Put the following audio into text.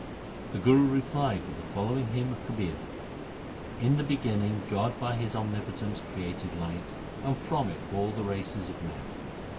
The Guru replied with the following hymn of Kabir :— In the beginning God by His Omnipotence created light and from it all the races of men.